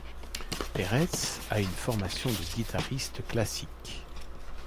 Peretz a une formation de guitariste classique.